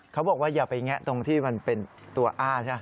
เขาบอกว่าอย่าไปแงะตรงที่มันเป็นตัวอ้าใช่ไหม